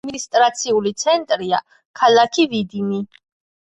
ადმინისტრაციული ცენტრია ქალაქი ვიდინი.